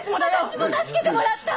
私も助けてもらった！